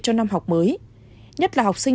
cho năm học mới nhất là học sinh